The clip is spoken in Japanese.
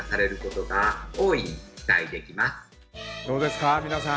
どうですか？